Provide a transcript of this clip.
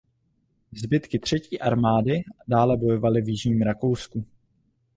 Zbytky třetí armády dále bojovaly v jižním Rakousku.